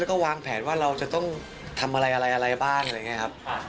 แล้วก็วางแผนว่าเราจะต้องทำอะไรอะไรบ้างอะไรอย่างนี้ครับ